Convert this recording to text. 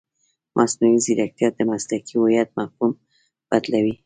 مصنوعي ځیرکتیا د مسلکي هویت مفهوم بدلوي.